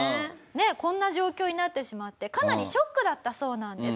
こんな状況になってしまってかなりショックだったそうなんです。